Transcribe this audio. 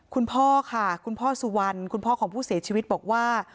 คุณพ่อค่ะคุณพ่อสุวรรณคุณพ่อของผู้เสียชีวิตบอกว่า